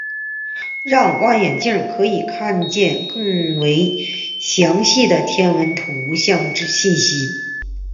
让望远镜可以看见更为详细的天文图像信息。